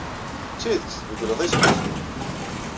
D tidet tbeddleḍ isem-nnek?